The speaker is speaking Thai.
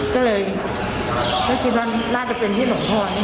ก็เลยและคิดว่าน่าจะเป็นพี่หนูพ่องั้นเนี่ย